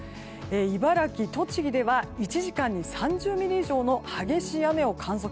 茨城、栃木では１時間に３０ミリ以上の激しい雨を観測。